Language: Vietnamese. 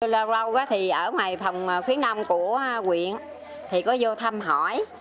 lâu lâu thì ở ngoài phòng khuyến nông của quyện thì có vô thăm hỏi